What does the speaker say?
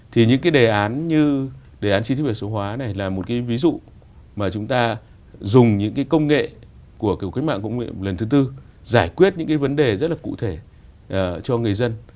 thì những cái đề án như đề án chi thức việt số hóa này là một cái ví dụ mà chúng ta dùng những cái công nghệ của cuộc cách mạng công nghệ lần thứ tư giải quyết những cái vấn đề rất là cụ thể cho người dân